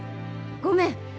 ごめん！